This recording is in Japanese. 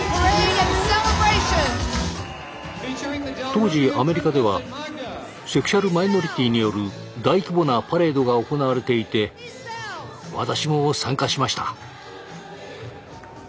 当時アメリカではセクシュアルマイノリティによる大規模なパレードが行われていて私も参加しました。